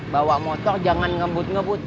bawa motor jangan ngebut ngebut